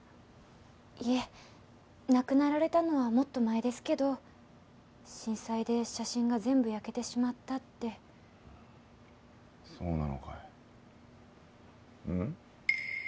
いえ亡くなられたのはもっと前ですけど震災で写真が全部焼けてしまったってそうなのかいうん？